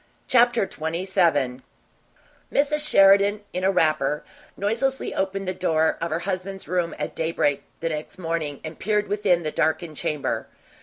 CHAPTER XXVII Mrs. Sheridan, in a wrapper, noiselessly opened the door of her husband's room at daybreak the next morning, and peered within the darkened chamber.